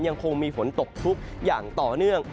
ยังคงมีฝนตกชุกอย่างต่อเนื่อง